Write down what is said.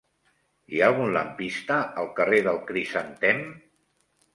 Hi ha algun lampista al carrer del Crisantem?